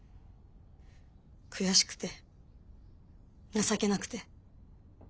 悔しくて情けなくて。